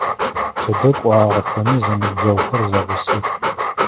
Тыдэ кӏуагъэхэми, зэныбджэгъухэр зэгъусэх.